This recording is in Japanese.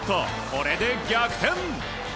これで逆転。